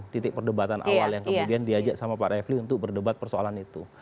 titik perdebatan awal yang kemudian diajak sama pak refli untuk berdebat persoalan itu